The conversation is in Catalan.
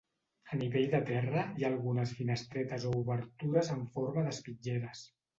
A nivell de terra hi ha algunes finestretes o obertures en forma d'espitlleres.